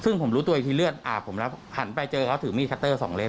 ซึ่งผมรู้ตัวอีกทีเลือดอาบผมแล้วหันไปเจอเขาถือมีดคัตเตอร์สองเล่